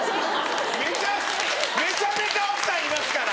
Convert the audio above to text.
めちゃめちゃめちゃ奥さんいますから。